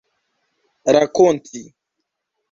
rakonti